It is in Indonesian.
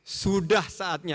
maka sudah saatnya